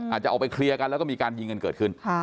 อาจจะออกไปเคลียร์กันแล้วก็มีการยิงกันเกิดขึ้น